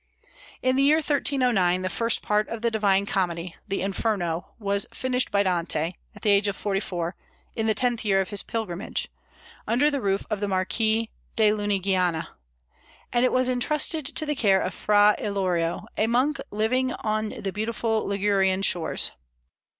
In the year 1309 the first part of the "Divine Comedy," the Inferno, was finished by Dante, at the age of forty four, in the tenth year of his pilgrimage, under the roof of the Marquis of Lunigiana; and it was intrusted to the care of Fra Ilario, a monk living on the beautiful Ligurian shores.